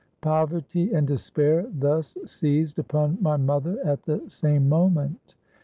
"Poverty and despair thus seized upon my mother at the same moment.